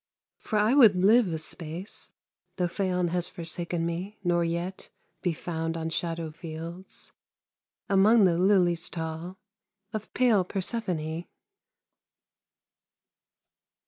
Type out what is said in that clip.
For I would live a space Though Phaon has forsaken me, nor yet Be found on shadow fields Among the lilies tall Of pale Persephone.